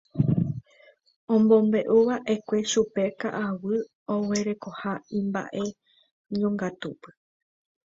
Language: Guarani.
Omombe'uva'ekue chupe ka'aguy oguerekoha imba'eñongatupy.